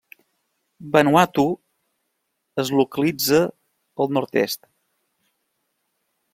Vanuatu es localitza al nord-est.